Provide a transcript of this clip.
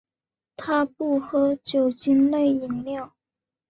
他不喝酒精类饮料。